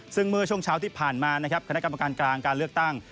ซึ่งเมื่อช่วงเช้าที่ผ่านมานะครับคณะกรรมการกลางการเลือกตั้ง